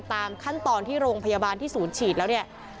ตามขั้นตอนที่โรงพยาบาลที่ศูนย์ฉีดแล้วเนี่ย